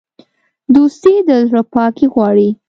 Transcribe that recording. دوستي د زړه پاکي غواړي.